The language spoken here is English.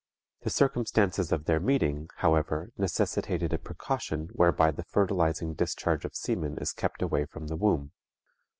The circumstances of their meeting, however, necessitated a precaution whereby the fertilizing discharge of semen is kept away from the womb.